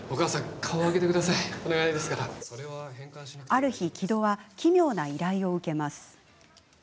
ある日、城戸は奇妙な依頼を受けます。